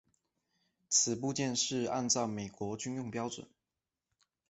此部件是按照美国军用标准。